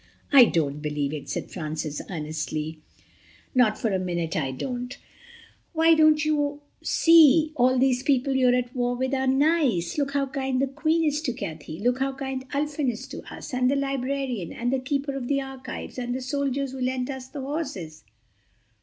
"I don't believe it," said Francis earnestly, "not for a minute I don't. Why, don't you see, all these people you're at war with are nice. Look how kind the Queen is to Cathay—look how kind Ulfin is to us—and the Librarian, and the Keeper of the Archives, and the soldiers who lent us the horses.